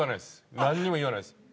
何にも言わないです。